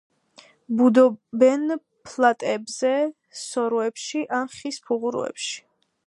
ბუდობენ ფლატეებზე, სოროებში, ან ხის ფუღუროებში.